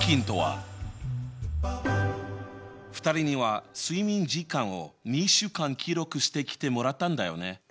２人には睡眠時間を２週間記録してきてもらったんだよね。